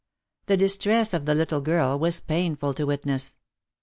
The distress of the little girl was painful to witness.